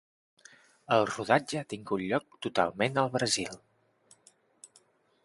El rodatge ha tingut lloc totalment al Brasil.